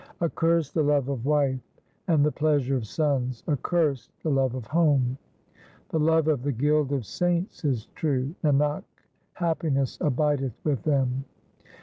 Accursed the love of wife and the pleasure of sons ; accursed the love of home ! The love of the guild of saints is true ; Nanak happiness abideth with them.